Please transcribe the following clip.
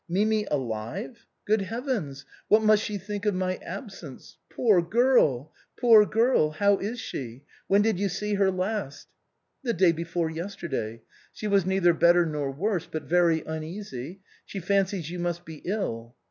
Mimi alive! Good heavens ! what must she think of my absence ? Poor girl ! poor girl ! how is she ? When did you see her last ?"" The day before yesterday. She was neither better not worse, but very uneasy ; she fancies you must be ill."